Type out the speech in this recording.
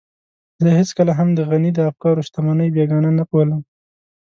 زه هېڅکله هم د غني د افکارو شتمنۍ بېګانه نه بولم.